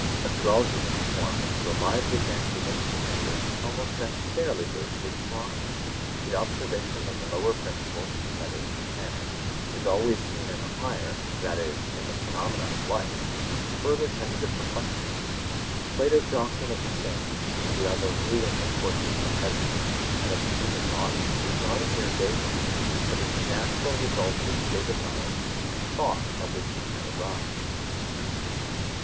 Astrology was the form which the lively fancy of ancient thinkers almost necessarily gave to astronomy. The observation that the lower principle, e.g. mechanics, is always seen in the higher, e.g. in the phenomena of life, further tended to perplex them. Plato's doctrine of the same and the other ruling the courses of the heavens and of the human body is not a mere vagary, but is a natural result of the state of knowledge and thought at which he had arrived.